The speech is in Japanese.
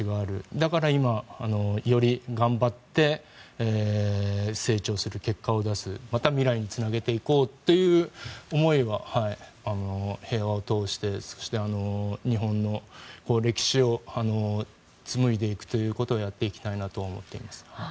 だから今、より頑張って成長する、結果を出すまた未来につなげていこうという思いは平和を通してそして、日本の歴史を紡いでいくということをやっていきたいと思っています。